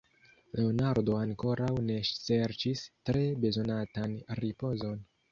Leonardo ankoraŭ ne serĉis tre bezonatan ripozon.